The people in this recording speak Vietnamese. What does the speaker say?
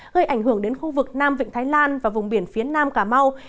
gây ảnh hưởng đến khu vực nam vịnh thái lan và vùng biển phía nam cà mau